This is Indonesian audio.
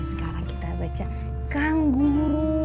sekarang kita baca kanggu guru